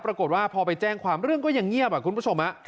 ปรากฏว่าพอไปแจ้งความเรื่องก็ยังเงียบคุณผู้ชม